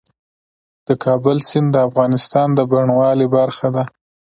د کابل سیند د افغانستان د بڼوالۍ برخه ده.